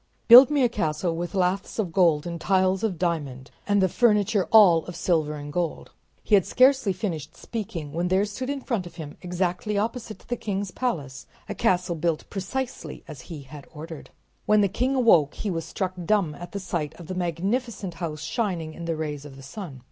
"Build me a castle with laths of gold and tiles of diamond and the furniture all of silver and gold." He had scarcely finished speaking when there stood in front of him, exactly opposite the king's palace, a castle built precisely as he had ordered. When the king awoke he was struck dumb at the sight of the magnificent house shining in the rays of the sun.